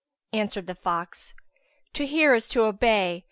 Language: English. Answered the fox, "To hear is to obey!